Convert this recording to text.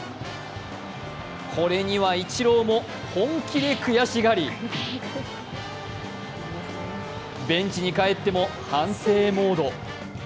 これにはイチローも本気で悔しがりベンチに帰っても反省モード。